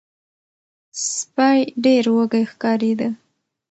سپی ډیر وږی ښکاریده.